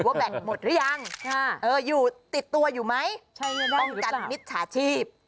ว่าแบ่งหมดหรือยังอยู่ติดตัวอยู่ไหมป้องกันมิจฉาชีพ